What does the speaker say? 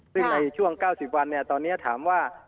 ซึ่งในช่วง๙๐วันตอนนี้ถามว่า